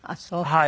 はい。